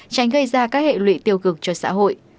tránh gây ra các hệ lụy tiêu cực cho xã hội